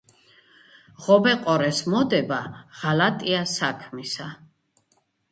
„ღობე-ყორეს მოდება ღალატია საქმისა.“